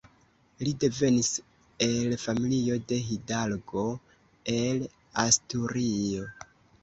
Li devenis el familio de hidalgo el Asturio.